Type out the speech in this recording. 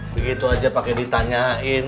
begitu aja pake ditanyain